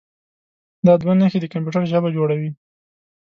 دا دوه نښې د کمپیوټر ژبه جوړوي.